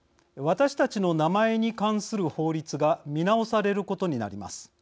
私たちの名前に関する法律が見直されることになります。